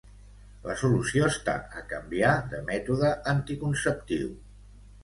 La solució està a canviar de mètode anticonceptiu.